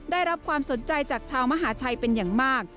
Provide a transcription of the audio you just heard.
ได้รับความสนใจจากชาวมหาชัยเป็นอย่างมาก